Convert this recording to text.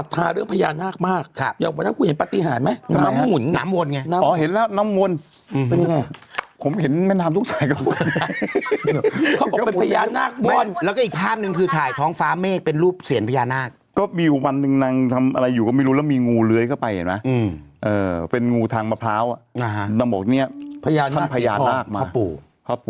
ถ้าฉันไม่อธิบายฉันจะเข้าใจทั้งโคตรต้าหัวไหมล่ะ